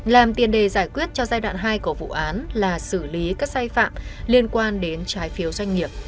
làm tiền đề giải quyết cho giai đoạn hai của vụ án là xử lý các sai phạm liên quan đến trái phiếu doanh nghiệp